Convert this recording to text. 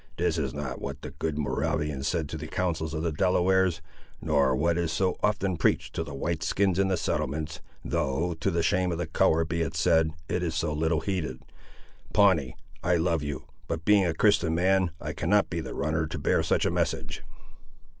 "This is not what the good Moravians said to the councils of the Delawares, nor what is so often preached, to the White skins in the settlements, though, to the shame of the colour be it said, it is so little heeded. Pawnee, I love you; but being a Christian man, I cannot be the runner to bear such a message."